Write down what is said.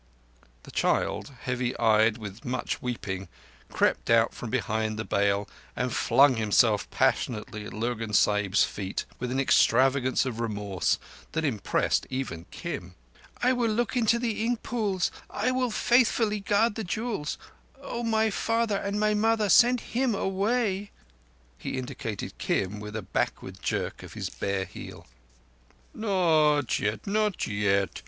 The child, heavy eyed with much weeping, crept out from behind the bale and flung himself passionately at Lurgan Sahib's feet, with an extravagance of remorse that impressed even Kim. "I will look into the ink pools—I will faithfully guard the jewels! Oh, my Father and my Mother, send him away!" He indicated Kim with a backward jerk of his bare heel. "Not yet—not yet.